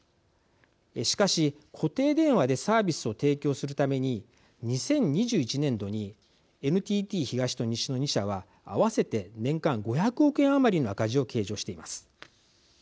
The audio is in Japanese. しかし固定電話でサービスを提供するために２０２１年度にＮＴＴ東と西の２社は合わせて年間５００億円余りの赤字を計上しています。